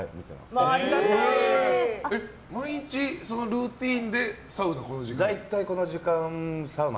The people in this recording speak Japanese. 毎日、そのルーティンでサウナをこの時間に？